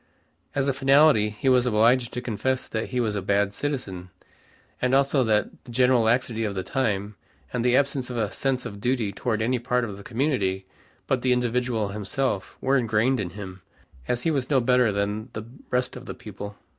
As a finality he was obliged to confess that he was a bad citizen, and also that the general laxity of the time, and the absence of a sense of duty toward any part of the community but the individual himself were ingrained in him, and he was no better than the rest of the people.